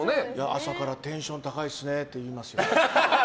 朝からテンション高いっすねって言われますけど。